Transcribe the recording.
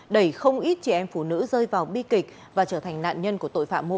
đầy không ít trẻ em phụ nữ rơi vào bi kịch và trở thành nạn nhân của tội phạm